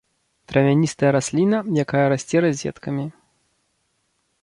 Травяністая расліна, якая расце разеткамі.